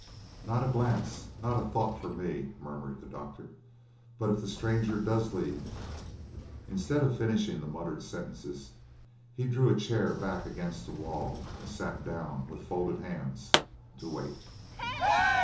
"Not a glance, not a thought for me," murmured the doctor. "But if the stranger does leave " Instead of finishing the muttered sentences, he drew a chair back against the wall and sat down with folded hands to wait.